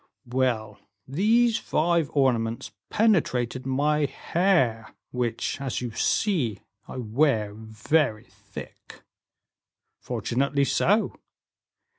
"Well, these five ornaments penetrated my hair, which, as you see, I wear very thick." "Fortunately so."